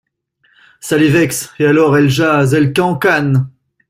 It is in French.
Ca les vexe… et alors, elles jasent… elles cancanent…